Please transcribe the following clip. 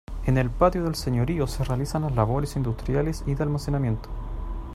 En el patio del señorío se realizan las labores industriales y de almacenamiento.